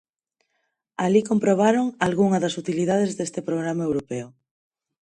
Alí comprobaron algunha das utilidades deste programa europeo.